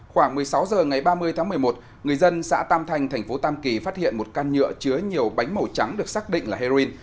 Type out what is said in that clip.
khoảng một mươi sáu h ngày ba mươi tháng một mươi một người dân xã tam thanh thành phố tam kỳ phát hiện một căn nhựa chứa nhiều bánh màu trắng được xác định là heroin